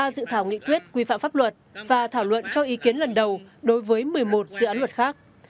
ba dự thảo nghị quyết quy phạm pháp luật và thảo luận cho ý kiến lần đầu đối với một mươi một dự án luật khác